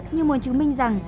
như muốn chứng minh rằng